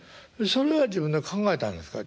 それは自分で考えたんですか？